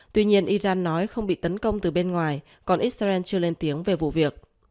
tuy nhiên iran nói không bị tấn công từ bên ngoài còn israel chưa lên tiếng về vụ việc